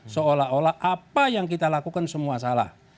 seolah olah apa yang kita lakukan semua salah